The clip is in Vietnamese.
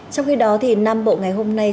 trong khi đó thì nam bộ ngày hôm nay